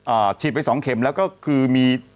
ฉีดไปสองเข็มแล้วก็คือมี